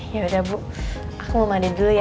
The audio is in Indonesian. yaudah bu aku mau mandi dulu ya